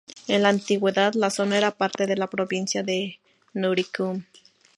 En la antigüedad, la zona era parte de la provincia de Noricum.